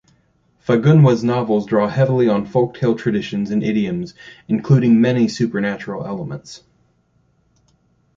Fagunwa's novels draw heavily on folktale traditions and idioms, including many supernatural elements.